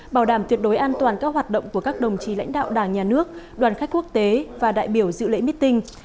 bảo đảm tuyệt đối an toàn các hoạt động của các đồng chí lãnh đạo đảng nhà nước đoàn khách quốc tế và đại biểu dự lễ meeting